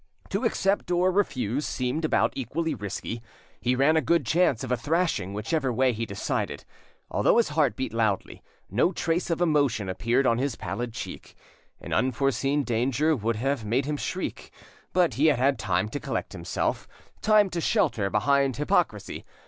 To accept or refuse seemed about equally risky; he ran a good chance of a thrashing whichever way he decided. Although his heart beat loudly, no trace of emotion appeared on his pallid cheek; an unforeseen danger would have made him shriek, but he had had time to collect himself, time to shelter behind hypocrisy.